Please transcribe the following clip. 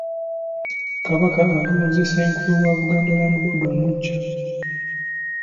Kabaka alonze Ssenkulu wa Buganda Land Board omuggya.